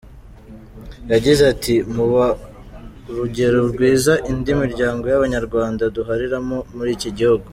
Yagize ati “Muha urugero rwiza indi miryango y’Abanyarwanda duhuriramo muri iki gihugu.